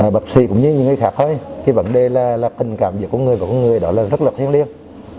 bác sĩ cũng như những người khác vấn đề là tình cảm của người và người đó rất là thiêng liêng